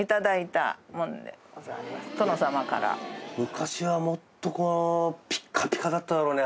昔はもっとこうピカピカだっただろうね